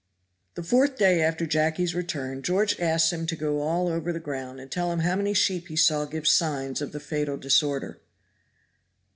The fourth day after Jacky's return George asked him to go all over the ground and tell him how many sheep he saw give signs of the fatal disorder.